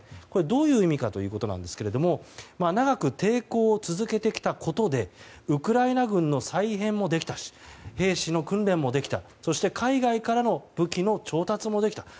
どういう意味かといいますと長く抵抗を続けてきたことでウクライナ軍の再編もできたし兵士の訓練もできたそして、海外からの武器の調達もできたと。